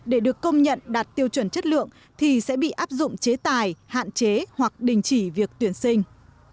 để được công nhận đạt tiêu chuẩn chất lượng thì sẽ bị áp dụng chế tài hạn chế hoặc đình chỉ việc tuyển sinh